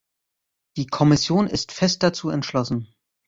Die Kommission ist fest dazu entschlossen.